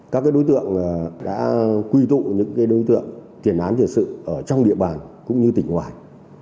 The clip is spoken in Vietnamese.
các đối tượng đã quy tụ những đối tượng tiền án tiền sự ở trong địa bàn cũng như tỉnh ngoài